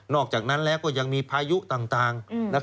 นอกจากนั้นก็ยังมีภายุต่าง